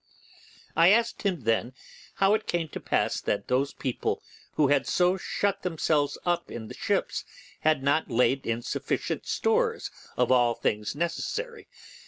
I asked him then how it came to pass that those people who had so shut themselves up in the ships had not laid in sufficient stores of all things necessary.